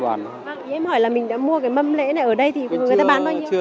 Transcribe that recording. vâng em hỏi là mình đã mua cái mâm lễ này ở đây thì người ta bán bao nhiêu